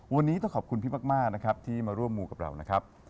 วันนี้ต้องขอบคุณพี่มากนะครับที่มาร่วมมูกับเรานะครับ